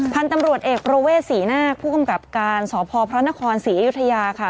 พันธุ์ตำรวจเอกประเวทศรีนาคผู้กำกับการสพพระนครศรีอยุธยาค่ะ